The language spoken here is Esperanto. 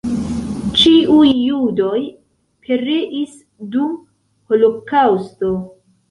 Ĉiuj judoj pereis dum holokaŭsto.